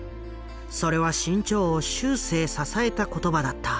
それは志ん朝を終生支えた言葉だった。